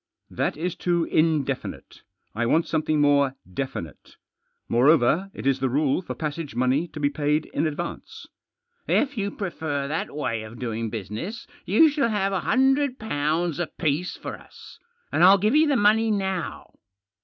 " That is too indefinite. I want something more definite. Moreover, it is the rule for passage money to be paid in advance." " If you prefer that way of doing business you shall have a hundred pounds apiece for us, and I'll give you the money now."